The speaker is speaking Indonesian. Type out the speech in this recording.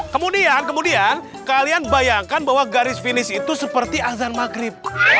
kemudian kemudian kalian bayangkan bahwa garis finish itu seperti azan maghrib